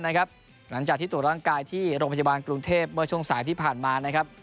หลังจากที่ตรวจร่างกายที่โรงพยาบาลกรุงเทพเมื่อช่วงสายที่ผ่านมานะครับ